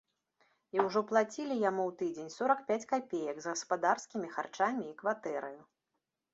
І ўжо плацілі яму ў тыдзень сорак пяць капеек, з гаспадарскімі харчамі і кватэраю.